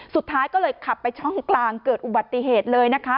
สุดท้ายก็เลยขับไปช่องกลางเกิดอุบัติเหตุเลยนะคะ